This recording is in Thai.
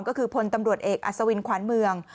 ก็คือพลตำรวจเอกอัศวินขวานเมือง